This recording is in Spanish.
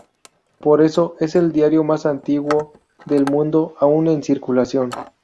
Por eso es el diario más antiguo del mundo aun en circulación.